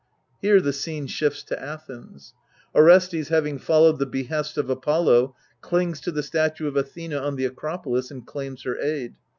Here the scene shifts to Athens ; Orestes, having followed the behest of Apollo, clings to the statue of Athena on the Acropolis, and claims her aid.